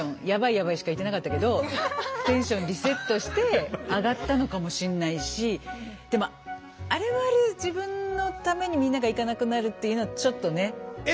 ヤバいしか言ってなかったけどテンションリセットして上がったのかもしんないしでもあれはあれで自分のためにみんなが行かなくなるっていうのはちょっとね。笑